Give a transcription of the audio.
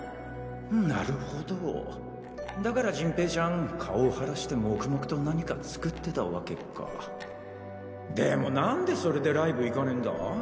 なるほどだから陣平ちゃん顔腫らして黙々と何か作ってたワケかでも何でそれでライブ行かねぇんだ？